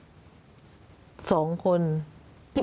พี่เมไม่ได้คาดเองใช่ไหมอันนี้คือถามเขาด้วยใช่ไหม